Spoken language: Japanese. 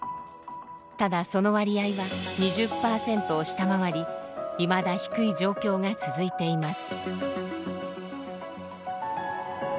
ただその割合は２０％を下回りいまだ低い状況が続いています。